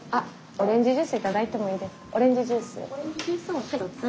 オレンジジュースを１つ。